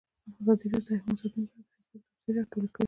ازادي راډیو د حیوان ساتنه په اړه د فیسبوک تبصرې راټولې کړي.